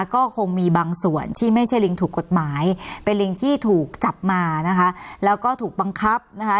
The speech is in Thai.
ก็คงมีบางส่วนที่ไม่ใช่ลิงถูกกฎหมายเป็นลิงที่ถูกจับมานะคะแล้วก็ถูกบังคับนะคะ